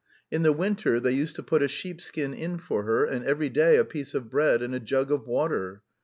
In the winter they used to put a sheepskin in for her, and every day a piece of bread and a jug of water.